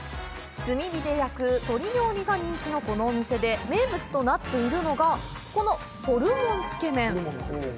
炭火で焼く鶏料理が人気のこのお店で名物となっているのが、このホルモンつけ麺。